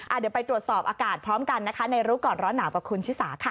เดี๋ยวไปตรวจสอบอากาศพร้อมกันนะคะในรู้ก่อนร้อนหนาวกับคุณชิสาค่ะ